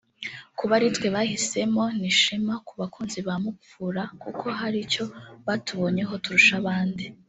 Kuba aritwe bahisemo ni ishema ku bakunzi ba Mukura kuko hari icyo batubonyeho turusha abandi